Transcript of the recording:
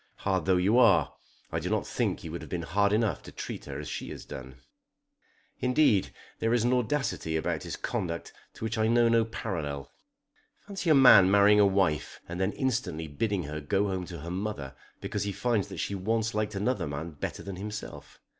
Hard though you are, I do not think you would have been hard enough to treat her as he has done. Indeed there is an audacity about his conduct to which I know no parallel. Fancy a man marrying a wife and then instantly bidding her go home to her mother because he finds that she once liked another man better than himself!